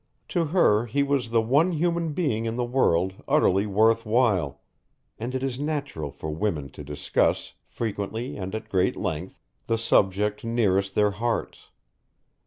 To her he was the one human being in the world utterly worth while, and it is natural for women to discuss, frequently and at great length, the subject nearest their hearts.